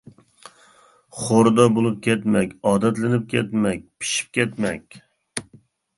خوردا بولۇپ كەتمەك-ئادەتلىنىپ كەتمەك، پىشىپ كەتمەك.